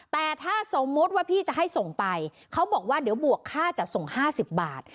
แต่ถ้าสมมุติว่าพี่จะให้ส่งไปเขาบอกว่าเดี๋ยวบวกค่าจัดส่ง๕๐บาท